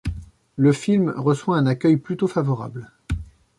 Le film reçoit un accueil plutôt favorable.